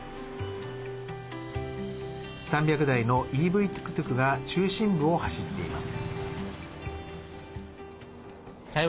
３００台のＥＶトゥクトゥクが中心部を走っています。